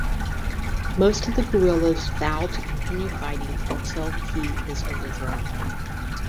Most of the guerrillas vow to continue fighting until he is overthrown.